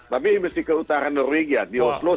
tapi ini masih ke utara norwegia di oslo sih ya sangat lemah ya